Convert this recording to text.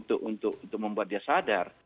untuk membuat dia sadar